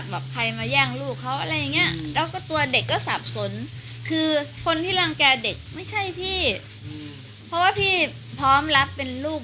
เดี๋ยวนูเอาไปออนไลน์ให้ใครจะได้ดูยาวจะได้ธาดาก็สนุก